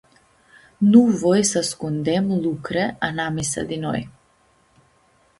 Nu voi s-ascundem lucre anamisa di noi.